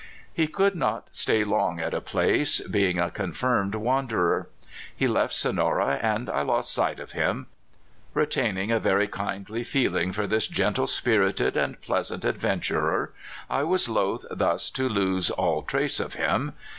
He could not stay long at a place, being a con firmed wanderer. He left Sonora, and I lost sight of him. Retaining a very kindly feeling for this gentle spirited and pleasant adventurer, I was loth thus to loose all trace of him.